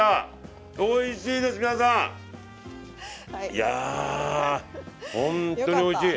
いやほんとにおいしい。